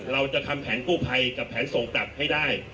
เราจะทำแผนกู้ภัยกับแผนส่งกลับให้ได้